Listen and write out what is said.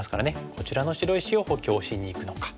こちらの白石を補強しにいくのか。